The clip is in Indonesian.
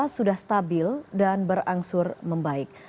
sudah stabil dan berangsur membaik